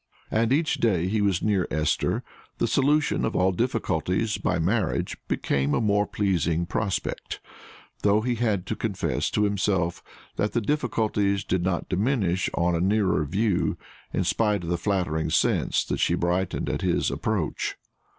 And each day he was near Esther, the solution of all difficulties by marriage became a more pleasing prospect; though he had to confess to himself that the difficulties did not diminish on a nearer view, in spite of the flattering sense that she brightened at his approach.